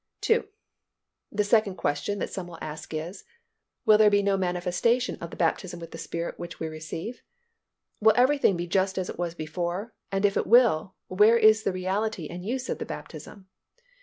2. The second question that some will ask is, "Will there be no manifestation of the baptism with the Spirit which we receive? Will everything be just as it was before, and if it will, where is the reality and use of the baptism?"